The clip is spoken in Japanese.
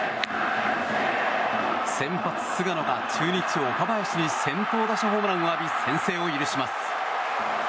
先発、菅野が中日、岡林に先頭打者ホームランを浴び先制を許します。